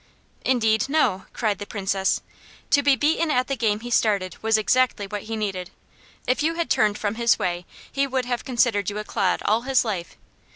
"Indeed no!" cried the Princess. "To be beaten at the game he started was exactly what he needed. If you had turned from his way, he would have considered you a clod all his life.